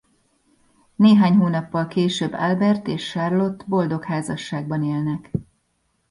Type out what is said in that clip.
Néhány hónappal később Albert és Charlotte boldog házasságban élnek.